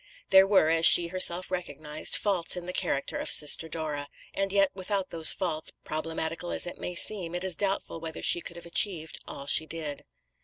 There were, as she herself recognised, faults in the character of Sister Dora; and yet, without these faults, problematical as it may seem, it is doubtful whether she could have achieved all she did.